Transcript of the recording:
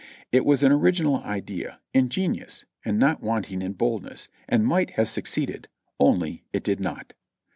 It was an original idea, ingenious, and not wanting in boldness, and might have succeeded, only it did not.